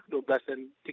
dua belas dan tiga belas